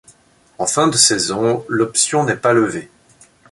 En fin de saison, l'option n'est pas levée.